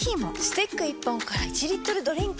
スティック１本から１リットルドリンクに！